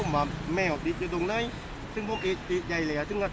ทำไมก็เราได้เซลตัวอัตนองเอ่องงตัวน้อย